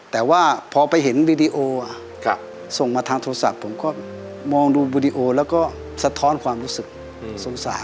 แต่ว่าพอไปเห็นวีดีโอส่งมาทางโทรศัพท์ผมก็มองดูวิดีโอแล้วก็สะท้อนความรู้สึกสงสาร